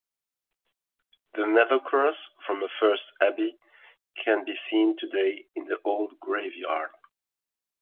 The Nethercross from the first abbey can be seen today in the old graveyard.